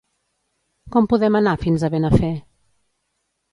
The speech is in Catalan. Com podem anar fins a Benafer?